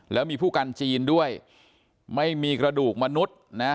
แล้วมีผู้กันจีนด้วยไม่มีกระดูกมนุษย์นะฮะ